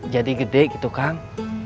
jadi gede gitu kang